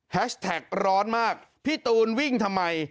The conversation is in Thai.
แท็กร้อนมากพี่ตูนวิ่งทำไม